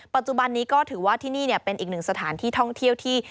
ปัจจุบันนี้ก็ถือว่าที่นี่เป็นอีกหนึ่งสถานที่ท่องเที่ยวที่